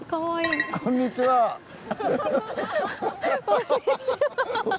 こんにちは。